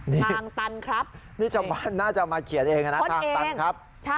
นี่อาจจะมาเขียนเองนะทางตัน